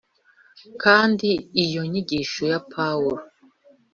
kandi iyo nyigisho ya pawulo